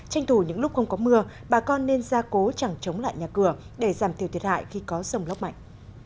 tranh thủ những lúc không có mưa bà con nên ra cố chẳng chống lại nhà cửa để giảm thiểu thiệt hại khi có rông lốc mạnh